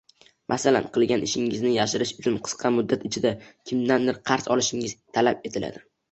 Masalan, qilgan ishingizni yashirish uchun qisqa muddat ichida kimdandir qarz olishingiz talab etiladi.